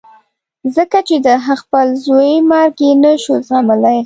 ځکه چې د خپل زوی مرګ یې نه شو زغملای.